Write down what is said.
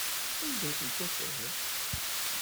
Anda i ten-tufiḍ?